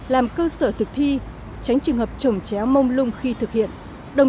làm cơ sở thực thi tránh trường hợp trồng chéo mông lung khi thực hiện